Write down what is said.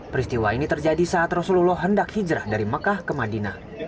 peristiwa ini terjadi saat rasulullah hendak hijrah dari mekah ke madinah